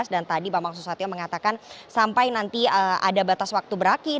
dan tadi bapak sosatyo mengatakan sampai nanti ada batas waktu berakhir